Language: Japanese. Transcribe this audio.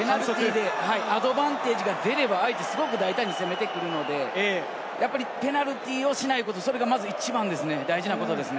アドバンテージが出れば、相手はすごく大胆に攻めてくるので、ペナルティーをしないこと、それがまず一番ですね。